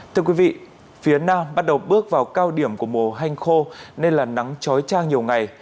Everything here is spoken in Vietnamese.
thưa quý vị phía nam bắt đầu bước vào cao điểm của mùa hanh khô nên là nắng trói trang nhiều ngày